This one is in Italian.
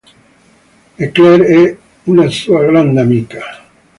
Eclair è una sua grande amica.